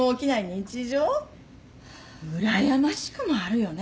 うらやましくもあるよね。